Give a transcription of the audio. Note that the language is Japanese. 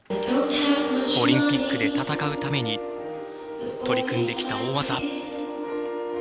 オリンピックで戦うために取り組んできた大技。